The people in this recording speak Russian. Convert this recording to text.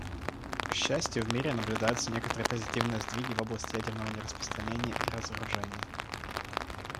К счастью, в мире наблюдаются некоторые позитивные сдвиги в области ядерного нераспространения и разоружения.